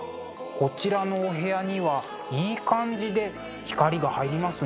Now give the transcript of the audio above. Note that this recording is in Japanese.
こちらのお部屋にはいい感じで光が入りますね。